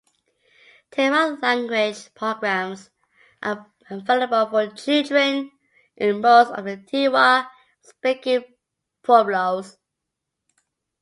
Tewa language programs are available for children in most of the Tewa-speaking pueblos.